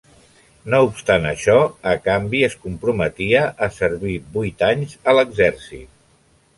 No obstant això, a canvi es comprometia a servir vuit anys a l'exèrcit.